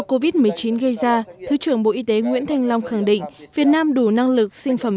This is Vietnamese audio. covid một mươi chín gây ra thứ trưởng bộ y tế nguyễn thanh long khẳng định việt nam đủ năng lực sinh phẩm